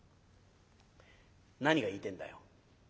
「何が言いてえんだよ」。